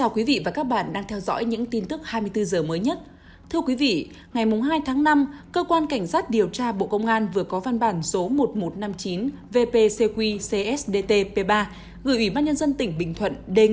các bạn hãy đăng ký kênh để ủng hộ kênh của chúng mình nhé